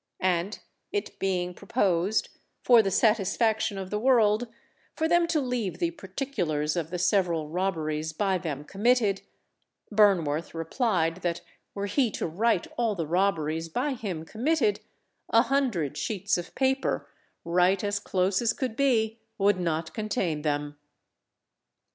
And it being proposed, for the satisfaction of the world, for them to leave the particulars of the several robberies by them committed, Burnworth replied that were he to write all the robberies by him committed, a hundred sheets of paper, write as close as could be, would not contain them.